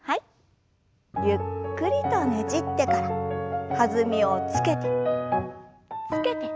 ゆっくりとねじってから弾みをつけてつけて。